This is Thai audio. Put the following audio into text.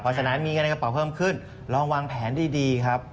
เพราะฉะนั้นมีเงินในกระเป๋าเพิ่มขึ้นลองวางแผนดีครับ